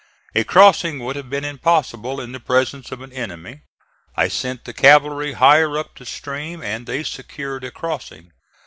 A crossing would have been impossible in the presence of an enemy. I sent the cavalry higher up the stream and they secured a crossing.